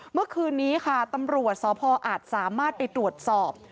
เมื่อคืนนี้ค่ะตำรวจสพออาจสามารถไปตรวจสอบ